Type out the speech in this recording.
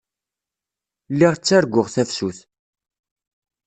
Lliɣ ttarguɣ tafsut.